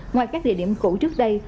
ngoài các địa điểm cũ trước đây